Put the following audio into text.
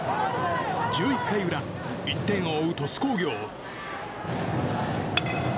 １１回裏、１点を追う鳥栖工業。